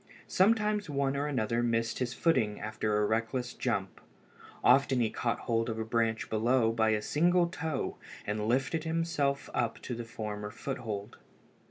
Sometimes one or another missed his footing after a reckless jump. Often he caught hold of a branch below by a single toe and lifted himself up to a firmer foothold.